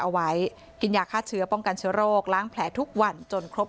เอาไว้กินยาฆ่าเชื้อป้องกันเชื้อโรคล้างแผลทุกวันจนครบ